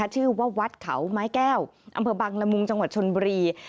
ชื่อว่าวัดเขาไม้แก้วอำเภอบังละมุงจังหวัดชนบุรี